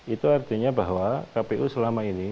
itu artinya bahwa kpu selama ini